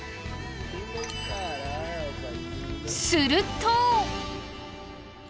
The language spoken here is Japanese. すると。